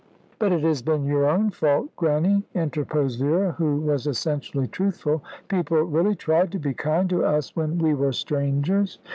"But it has been your own fault, Grannie!" interposed Vera, who was essentially truthful. "People really tried to be kind to us when we were strangers."